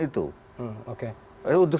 itu oke untuk